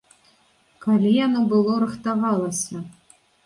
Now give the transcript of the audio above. Калі яно было рыхтавалася?!